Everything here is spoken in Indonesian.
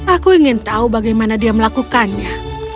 aku ingin tahu bagaimana dia melakukannya